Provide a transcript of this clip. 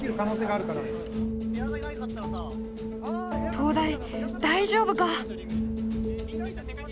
東大大丈夫か？